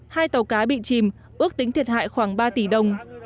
hai tàu cá bị chìm ước tính thiệt hại khoảng ba tỷ đồng